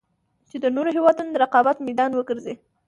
چـې د نـورو هېـوادونـو د رقـابـت مـيدان وګـرځـي.